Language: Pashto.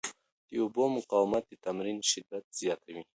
د اوبو مقاومت د تمرین شدت زیاتوي.